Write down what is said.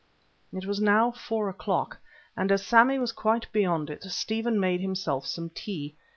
It was now four o'clock, and as Sammy was quite beyond it, Stephen made himself some tea.